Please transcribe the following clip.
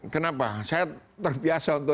kenapa saya terbiasa untuk